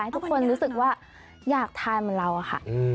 ทุกคนรู้สึกว่าอยากทานเหมือนเราอะค่ะ